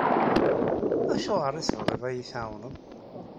Acuɣar i tebɣiḍ ad iyi-tɛiwneḍ?